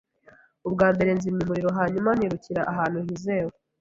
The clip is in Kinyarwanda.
Ubwa mbere, nzimya umuriro hanyuma nirukira ahantu hizewe.